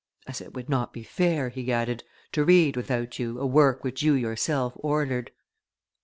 'As it would not be fair,' he added, 'to read without you a work which you yourself ordered.